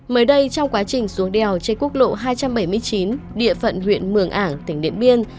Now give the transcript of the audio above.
mới đây trong quá trình xuống đèo trên quốc lộ hai trăm bảy mươi chín địa phận huyện mường ảng tỉnh điện biên